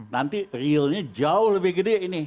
nanti realnya jauh lebih gede ini